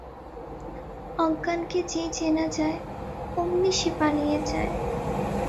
অজ্ঞানকে যেই চেনা যায়, অমনি সে পালিয়ে যায়।